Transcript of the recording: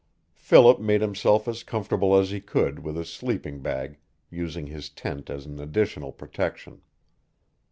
Philip made himself as comfortable as he could with his sleeping bag, using his tent as an additional protection.